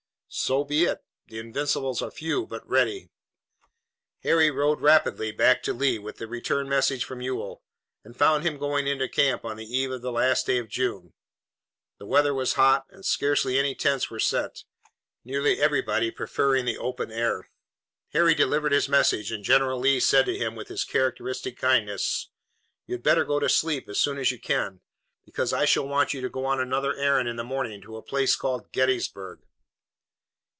"So be it. The Invincibles are few but ready." Harry rode rapidly back to Lee with the return message from Ewell, and found him going into camp on the eve of the last day of June. The weather was hot and scarcely any tents were set, nearly everybody preferring the open air. Harry delivered his message, and General Lee said to him, with his characteristic kindness: "You'd better go to sleep as soon as you can, because I shall want you to go on another errand in the morning to a place called Gettysburg."